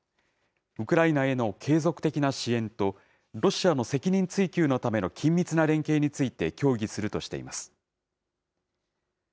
ウクライナへの継続的な支援と、ロシアの責任追及のための緊密な連携について協議するとしています。